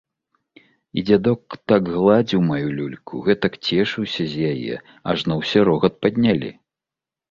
І дзядок так гладзіў маю люльку, гэтак цешыўся з яе, ажно усе рогат паднялі.